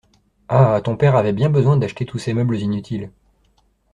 Ah ! ton père avait bien besoin d’acheter tous ces meubles inutiles.